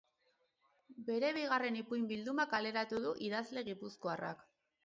Bere bigarren ipuin bilduma kaleratu du idazle gipuzkoarrak.